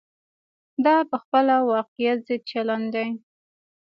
دا په خپله واقعیت ضد چلن دی.